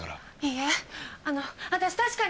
いいえあの私確かに。